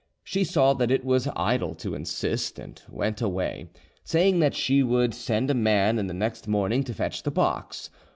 She saw that it was idle to insist, and went away, saying that she should send a man the next morning to fetch the box.